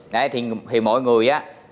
thì mọi người á